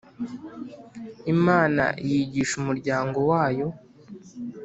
Imana yigisha umuryango wayo